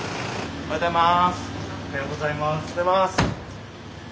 おはようございます。